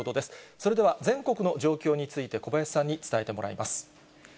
それでは全国の状況について、小林さんに伝えてもらいます。